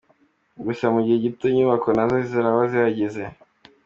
Gusa mu gihe gito inyubako nazo ziraba zahageze.”